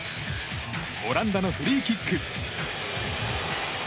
オランダのフリーキック。